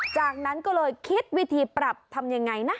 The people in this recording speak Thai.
จากนั้นก็เลยคิดวิธีปรับทำยังไงนะ